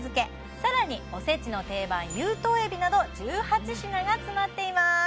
さらにおせちの定番有頭海老など１８品が詰まっています